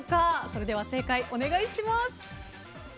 それでは正解、お願いします。